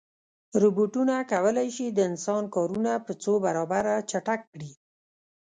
روبوټونه کولی شي د انسان کارونه په څو برابره چټک کړي.